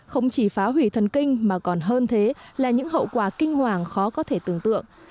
không chỉ phá hủy thần kinh mà còn hơn thế là những hậu quả kinh hoàng khó có thể tưởng tượng